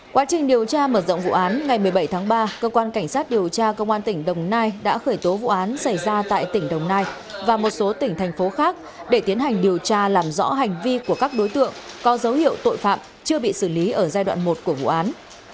quá trình điều tra mở rộng vụ án ngày một mươi bảy tháng ba cơ quan cảnh sát điều tra công an tỉnh đồng nai đã khởi tố vụ án xảy ra tại tỉnh đồng nai và một số tỉnh thành phố khác để tiến hành điều tra làm rõ hành vi của các đối tượng có dấu hiệu tội phạm chưa bị xử lý ở giai đoạn một của vụ án